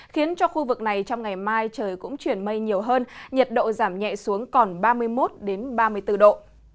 khiến cho khu vực này trong ngày mai trời cũng chuyển mây nhiều hơn nhiệt độ giảm nhẹ xuống còn ba mươi một ba mươi bốn độ